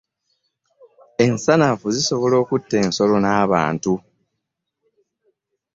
Ensanafu zisobola okutta ensolo na bantu.